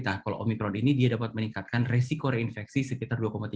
nah kalau omikron ini dia dapat meningkatkan resiko reinfeksi sekitar dua tiga